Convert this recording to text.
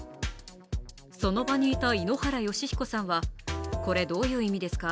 その場にいた井ノ原快彦さんはこれどういう意味ですか？